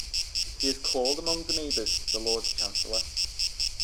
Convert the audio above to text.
He is called among the neighbours the Lord Chancellor.